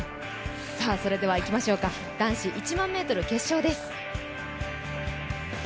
それではいきましょうか、男子１００００ｍ決勝です。